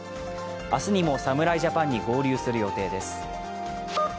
明日にも侍ジャパンに合流する予定です。